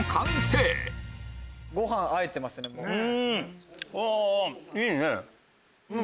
ご飯あえてますもう。